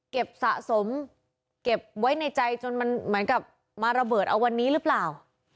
สะสมเก็บไว้ในใจจนมันเหมือนกับมาระเบิดเอาวันนี้หรือเปล่า